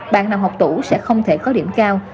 bạn năm học tủ sẽ không thể có điểm cao